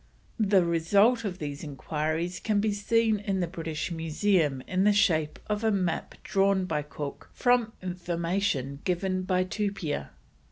The result of these enquiries can be seen in the British Museum in the shape of a map drawn by Cook from information given by Tupia.